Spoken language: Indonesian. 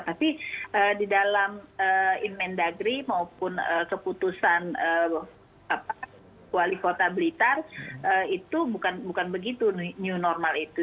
tapi di dalam inmen dagri maupun keputusan wali kota blitar itu bukan begitu new normal itu